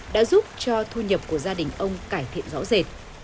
đã giúp cho thu nhập của gia đình ông cải thiện rõ rệt